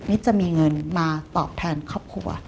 จะมีเงินมาตอบแทนครอบครัว